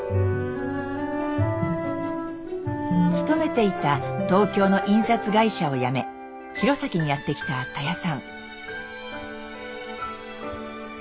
勤めていた東京の印刷会社を辞め弘前にやって来たたやさん。